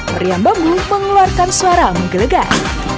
meriam bambu mengeluarkan suara menggelegar